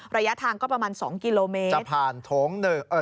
ระยะทางก็ประมาณ๒กิโลเมตร